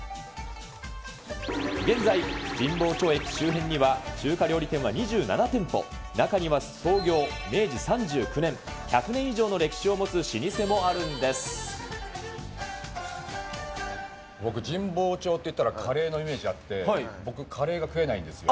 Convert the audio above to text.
現在、神保町駅周辺には、中華料理店は２７店舗、中には創業明治３９年、１００年以上の歴史を持つ老舗もあるんで僕、神保町っていったら、カレーのイメージがあって、僕、カレーが食えないんですよ。